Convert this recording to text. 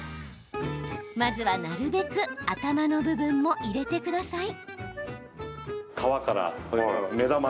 まずは、なるべく頭の部分も入れてください。